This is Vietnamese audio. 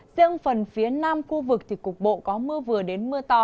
riêng phần phía nam khu vực thì cục bộ có mưa vừa đến mưa to